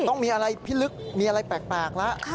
ต้องมีอะไรพิลึกมีอะไรแปลกแล้ว